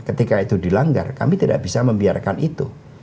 ketika itu dilanggar kami tidak bisa membiarkan itu